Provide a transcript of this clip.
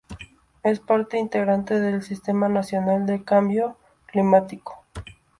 Es parte integrante del Sistema Nacional de Cambio Climático.